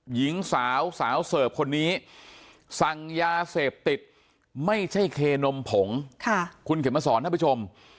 หญิงสาวสาวเสิร์ฟคนนี้สั่งยาเสพติดไม่ใช่เคนมผงคุณเข็มมาสอนท่านผู้ชม